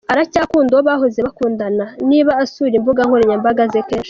Aracyakunda uwo bahoze bakundana niba asura imbuga nkoranyambaga ze kenshi.